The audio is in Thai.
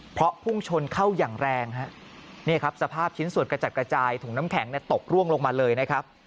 เพราะพุ่งชนเข้าอย่างแรงฮะนี่ครับสภาพชิ้นส่วนกระจัดกระจายถุงน้ำแข็งตกร่วงลงมาเลยนะครับ